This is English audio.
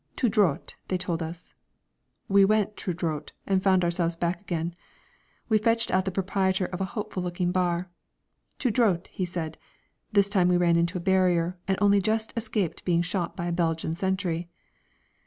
"Tout droit," they told us. We went "tout droit," and found ourselves back again. We fetched out the proprietor of a hopeful looking bar. "Tout droit," he said. This time we ran into a barrier, and only just escaped being shot by the Belgian sentry.